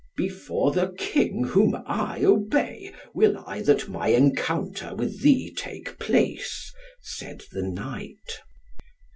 "Before the King whom I obey, will I that my encounter with thee take place," said the knight.